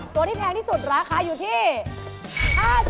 ตัวที่แพงที่สุดราคาอยู่ที่๕๐บาท